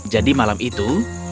jadi malam itu